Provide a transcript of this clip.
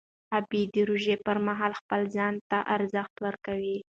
غابي د روژې پر مهال خپل ځان ته ارزښت ورکوي.